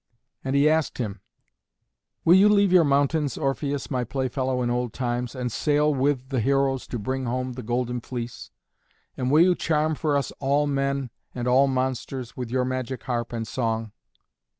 And he asked him, "Will you leave your mountains, Orpheus, my playfellow in old times, and sail with the heroes to bring home the Golden Fleece? And will you charm for us all men and all monsters with your magic harp and song?"